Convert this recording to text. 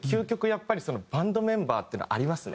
やっぱりバンドメンバーっていうのはありますね。